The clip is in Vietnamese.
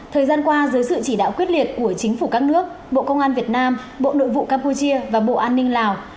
thời gian qua dưới sự chỉ đạo quyết liệt của chính phủ các nước bộ công an việt nam bộ nội vụ campuchia và bộ an ninh lào